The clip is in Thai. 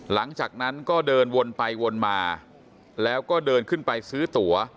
หลังจากนั้นก็เดินวนไปวนมาแล้วก็เดินขึ้นไปซื้อตั๋ว